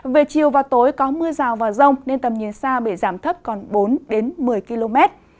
về chiều và tối có mưa rào và rông nên tầm nhìn xa bị giảm thấp còn bốn một mươi km